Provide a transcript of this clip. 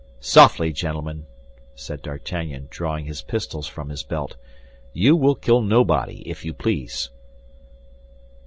"Softly, gentlemen!" said D'Artagnan, drawing his pistols from his belt, "you will kill nobody, if you please!"